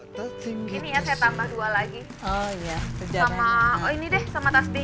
terima kasih makasih